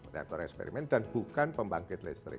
rektor eksperimen dan bukan pembangkit listrik